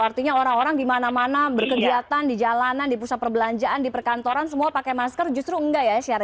artinya orang orang di mana mana berkegiatan di jalanan di pusat perbelanjaan di perkantoran semua pakai masker justru enggak ya shery